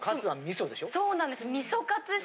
そうなんです。